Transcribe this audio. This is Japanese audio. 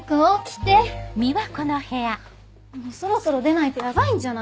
そろそろ出ないとヤバいんじゃない？